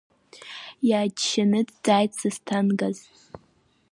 Иаџьшьаны дҵааит Сасҭангаз.